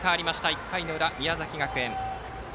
１回の裏宮崎学園。